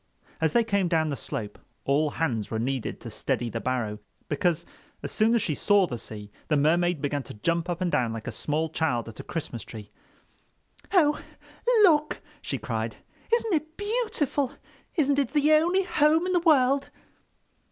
As they came down the slope all hands were needed to steady the barrow, because as soon as she saw the sea the Mermaid began to jump up and down like a small child at a Christmas tree. "Oh, look!" she cried, "isn't it beautiful? Isn't it the only home in the world?"